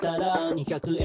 「２００円